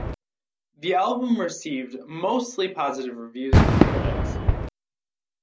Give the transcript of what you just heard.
The album received mostly positive reviews from critics.